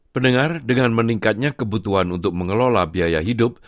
pendengar dengan meningkatnya kebutuhan untuk mengelola biaya hidup